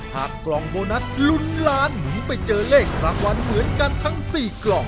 กล่องโบนัสลุ้นล้านหมุนไปเจอเลขรางวัลเหมือนกันทั้ง๔กล่อง